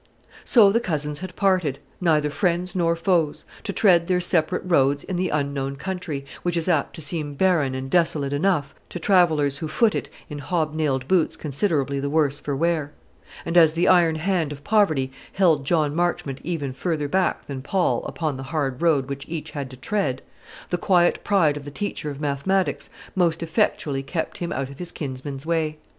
So the cousins had parted, neither friends nor foes, to tread their separate roads in the unknown country, which is apt to seem barren and desolate enough to travellers who foot it in hobnailed boots considerably the worse for wear; and as the iron hand of poverty held John Marchmont even further back than Paul upon the hard road which each had to tread, the quiet pride of the teacher of mathematics most effectually kept him out of his kinsman's way.